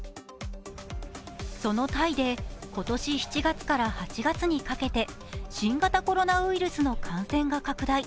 そのタイで今年７月から８月にかけて新型コロナウイルスの感染が拡大。